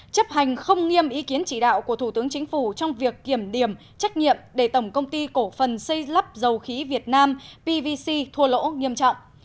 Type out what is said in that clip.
chấp hành không nghiêm ý kiến chỉ đạo của thủ tướng chính phủ trong việc kiểm điểm trách nhiệm để tổng công ty cổ phần xây lắp dầu khí việt nam pvc thua lỗ nghiêm trọng